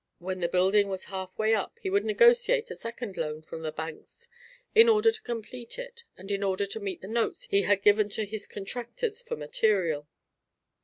When the building was half way up he would negotiate a second loan from the banks in order to complete it and in order to meet the notes he had given to his contractors for material.